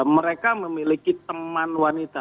mereka memiliki teman wanita